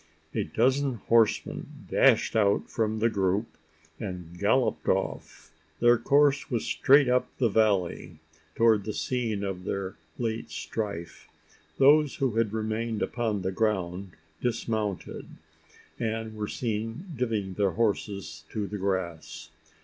A dozen horsemen dashed out from the group, and galloped off. Their course was straight up the valley towards the scene of their late strife. Those who had remained upon the ground dismounted, and were seen giving their horses to the grass.